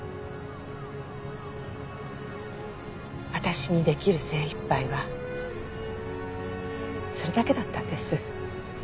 私にできる精いっぱいはそれだけだったんです。